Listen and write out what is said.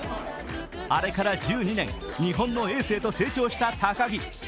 あれから１２年、日本のエースへと成長した高木。